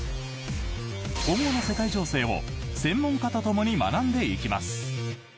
今後の世界情勢を専門家とともに学んでいきます。